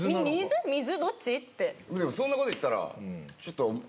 そんなこと言ったらちょっと。